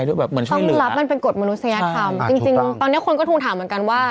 ต้องรับมันเป็นกฎมนุษยธรรมจริงจริงตอนนี้คนก็ทวงถามเหมือนกันว่า